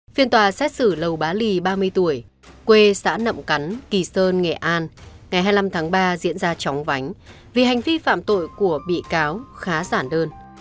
phiên tòa xét xử lầu bá lì ba mươi tuổi quê xã nậm cắn kỳ sơn nghệ an ngày hai mươi năm tháng ba diễn ra chóng vánh vì hành vi phạm tội của bị cáo khá giả đơn